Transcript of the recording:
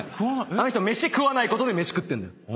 あの人は飯食わないことで飯食ってんだよ。